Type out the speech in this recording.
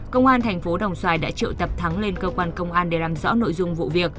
công an thành phố đồng xoài đã triệu tập thắng lên cơ quan công an để làm rõ nội dung vụ việc